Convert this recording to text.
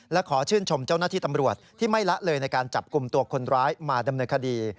และขอชื่นชมเจ้าหน้าที่ตำรวจที่ไม่ละเลยในการจับกลุ่มตัวคนร้ายมาดำเนินคดี